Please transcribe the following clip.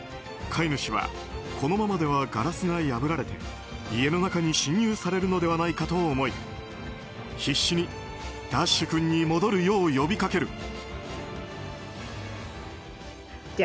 飼い主は、このままではガラスが破られて家の中に侵入されるのではないかと思い必死にダッシュ君に戻るよう呼びかける。